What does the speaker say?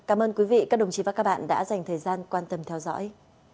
cảm ơn quý vị các đồng chí và các bạn đã dành thời gian quan tâm theo dõi